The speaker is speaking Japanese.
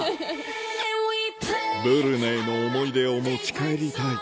ブルネイの思い出を持ち帰りたい